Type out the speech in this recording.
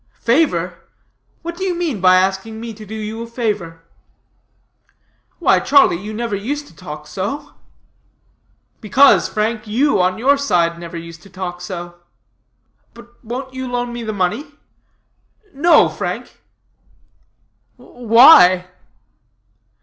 "Favor? What do you mean by asking me to do you a favor?" "Why, Charlie, you never used to talk so." "Because, Frank, you on your side, never used to talk so." "But won't you loan me the money?" "No, Frank." "Why?"